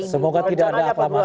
semoga tidak ada aklamasi